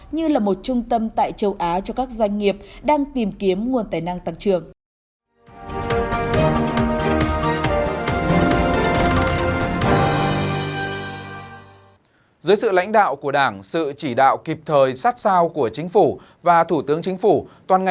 như là một trung tâm tại châu á cho các doanh nghiệp đang tìm kiếm nguồn tài năng tăng trưởng